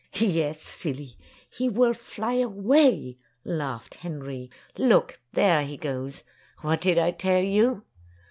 '' ''Yes, silly, he will fly away," laughed Henry. "Look, there he goes! What did I tell you?"